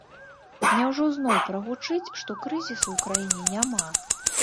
Няўжо зноў прагучыць, што крызісу ў краіне няма?